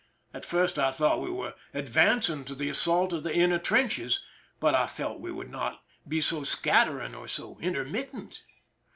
At first I thought we were advancing to the assault of the inner trenches, but I felt we would not be so scattering or so intermittent.